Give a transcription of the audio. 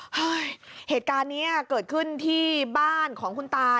เหตุการณ์นี้เกิดขึ้นที่บ้านของคุณตา